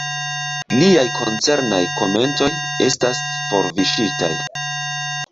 Liaj koncernaj komentoj estas forviŝitaj.